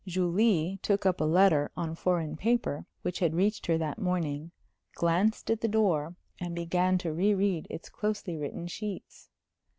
Julie took up a letter on foreign paper which had reached her that morning, glanced at the door, and began to reread its closely written sheets.